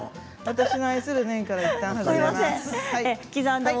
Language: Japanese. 私の愛する、ねぎからいったん離れます。